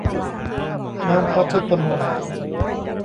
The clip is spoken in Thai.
น้ำพระพุทธมนต์